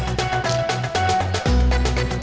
semua warga datang